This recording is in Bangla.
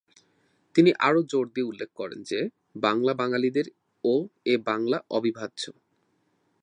তিনি আরও জোর দিয়ে উল্লেখ করেন যে, বাংলা বাঙালিদের ও এ বাংলা অবিভাজ্য।